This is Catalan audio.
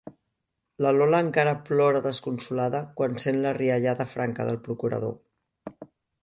La Lola encara plora desconsolada quan sent la riallada franca del procurador.